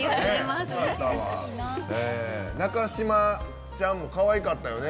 中嶋ちゃんもかわいかったよね